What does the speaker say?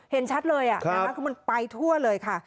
เห็นชัดเลยคือมันไปทั่วเลยค่ะ